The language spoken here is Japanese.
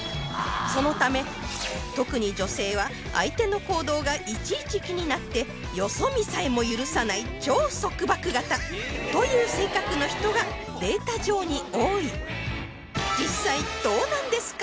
そのため特に女性は相手の行動がいちいち気になってよそ見さえも許さない超束縛型という性格の人がデータ上に多い実際どうなんですか？